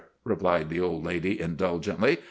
replied the old lady indulgently.